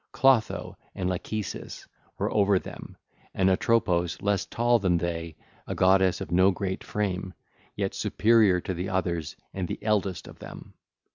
Clotho and Lachesis were over them and Atropos less tall than they, a goddess of no great frame, yet superior to the others and the eldest of them.